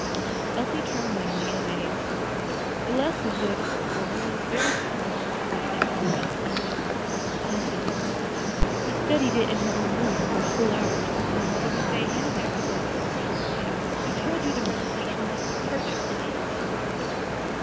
Elsie tremblingly obeyed. The lesson, though a difficult one, was very tolerably recited; for Elsie, knowing Arthur's propensity for teasing, had studied it in her own room before school hours. But Miss Day handed back the book with a frown, saying, "I told you the recitation must be perfect, and it was not."